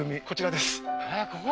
こちらですえっ？